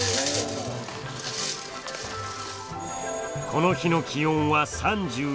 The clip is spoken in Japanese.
この日の気温は３４℃。